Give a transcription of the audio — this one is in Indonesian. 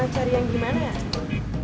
cari yang gimana ya